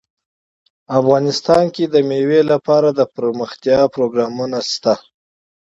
افغانستان کې د مېوې لپاره دپرمختیا پروګرامونه شته.